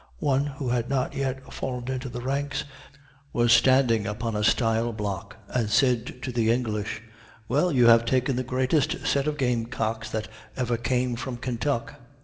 One, who had not yet fallen into the ranks, was standing upon a stile block, and said to the English: "Well, you have taken the greatest set of game cocks that ever came from Kentuck."